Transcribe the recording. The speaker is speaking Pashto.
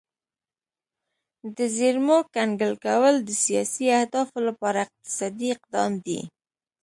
د زیرمو کنګل کول د سیاسي اهدافو لپاره اقتصادي اقدام دی